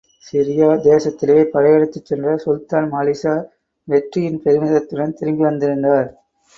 Syria தேசத்திலே படையெடுத்துச்சென்ற சுல்தான் மாலிக்ஷா, வெற்றியின் பெருமிதத்துடன் திரும்பி வந்திருந்தார்.